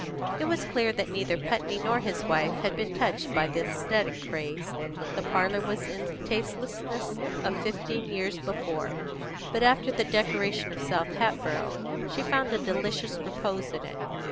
It was clear that neither Putney nor his wife had been touched by the aesthetic craze; the parlour was in the tastelessness of fifteen years before; but after the decoration of South Hatboro', she found a delicious repose in it.